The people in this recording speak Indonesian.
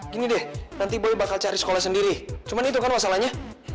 gini deh nanti boleh bakal cari sekolah sendiri cuman itu kan masalahnya